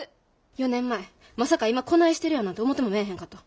４年前まさか今こないしてるやなんて思てもめえへんかった。